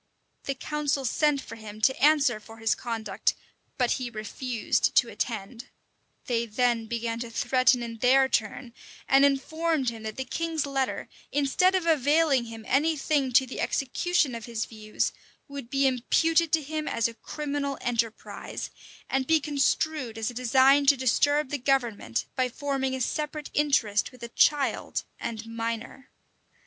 [] The council sent for him to answer for his conduct; but he refused to attend: they then began to threaten in their turn, and informed him that the king's letter, instead of availing him any thing to the execution of his views, would be imputed to him as a criminal enterprise, and be construed as a design to disturb the government, by forming a separate interest with a child and minor.